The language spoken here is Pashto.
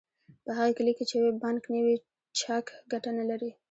په هغه کلي کې چې بانک نه وي چک ګټه نلري